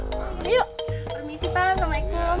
permisi pak assalamualaikum